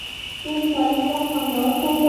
زه د مطالعې وخت خوندور ساتم.